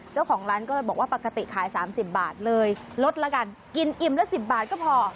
เจ้าของร้านก็เลยบอกว่าปกติขาย๓๐บาทเลยลดละกันกินอิ่มละ๑๐บาทก็พอ